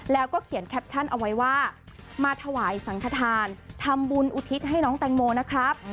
แล้วก็เขียนแคปชั่นเอาไว้ว่ามาถวายสังขทานทำบุญอุทิศให้น้องแตงโมนะครับ